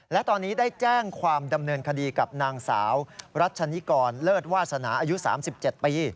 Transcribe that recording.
และตอนนี้ได้แจ้งความดำเนินคดีกับนางสาวรัชนิกรเลิศวาสนาอายุ๓๗ปี